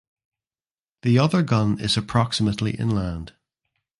The other gun is approximately inland.